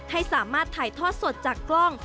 ให้สามารถถ่ายทอดสดจากกล้อง